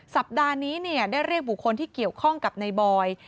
สัปดาห์นี้ได้เรียกบุคคลที่เกี่ยวข้องกับในบอย